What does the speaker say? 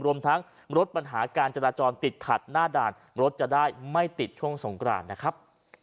รวมทั้งลดปัญหาการจราจรติดขัดหน้าด่านรถจะได้ไม่ติดช่วงสงกรานนะครับ